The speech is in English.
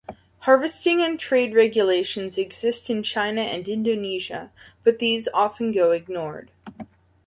Harvesting and trade regulations exist in China and Indonesia but these often go ignored.